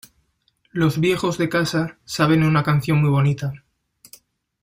Los viejos de casa saben una canción muy bonita.